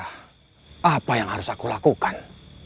apa yang harus aku lakukan